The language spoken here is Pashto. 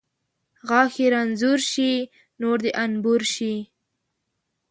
ـ غاښ چې رنځور شي ، نور د انبور شي .